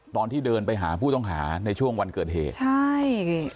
ตอนที่เดินไปหาผู้ต้องหาในช่วงวันเกิดเหตุใช่